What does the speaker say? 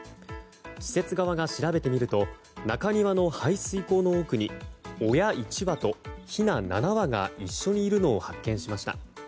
施設側が調べてみると中庭の排水溝の奥に親１羽とひな７羽が一緒にいるのを発見しました。